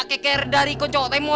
lo berjurus aja liat itu